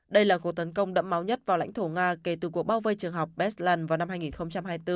đây là cuộc tấn công đẫm máu nhất vào lãnh thổ nga kể từ cuộc bao vây trường học besland vào năm hai nghìn hai mươi bốn